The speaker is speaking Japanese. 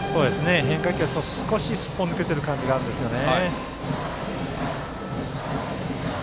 変化球がすっぽ抜けている感じがありますね。